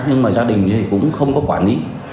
nhưng mà gia đình cũng không có quản lý